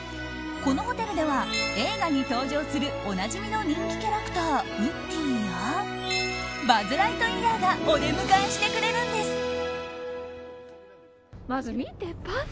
このホテルでは映画に登場するおなじみの人気キャラクター、ウッディやバズ・ライトイヤーがお出迎えしてくれるんです。